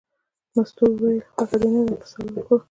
مستو ورته وویل خوښه دې نه ده پسه حلال کړو.